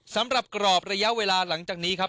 สำหรับกรอบระยะเวลาหลังจากนี้ครับ